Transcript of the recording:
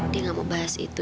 dia gak mau bahas itu